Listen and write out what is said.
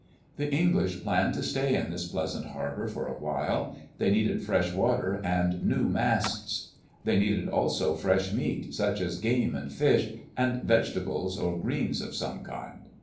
The English planned to stay in this pleasant harbor for a while. They needed fresh water and new masts; they needed also fresh meat, such as game and fish, and vegeta bles or greens of some kind.